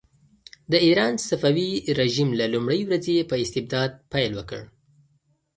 د ایران صفوي رژیم له لومړۍ ورځې په استبداد پیل وکړ.